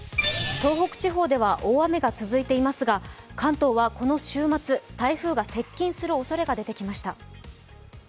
東北地方では大雨が続いていますが関東はこの週末、台風が接近するおそれが出てきました。